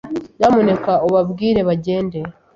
Nyamuneka ubabwire bagende.